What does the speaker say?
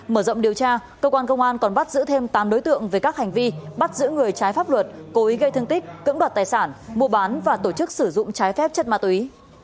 mở rộng điều tra cơ quan công an còn bắt giữ thêm tám đối tượng về các hành vi bắt giữ người trái pháp luật cố ý gây thương tích cưỡng đoạt tài sản mua bán và tổ chức sử dụng trái phép chất ma túy